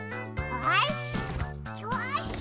よし！